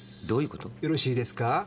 よろしいですか。